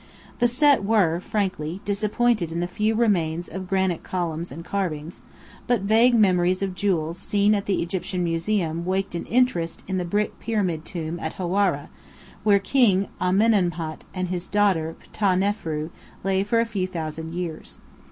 The Set were frankly disappointed in the few remains of granite columns and carvings; but vague memories of jewels seen at the Egyptian Museum waked an interest in the brick pyramid tomb at Hawara where King Amenemhat and his daughter Ptah nefru lay for a few thousand years.